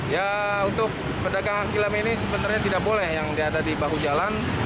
ya untuk pedagang kilang ini sebenarnya tidak boleh yang diada di bahu jalan